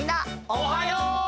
おはよう！